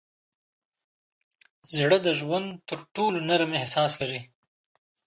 زړه د ژوند تر ټولو نرم احساس لري.